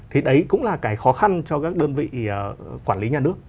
thì đấy cũng là cái khó khăn cho các đơn vị quản lý nhà nước